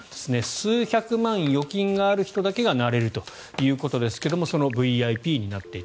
数百万預金がある人だけがなれるということなんですがそのＶＩＰになっていた。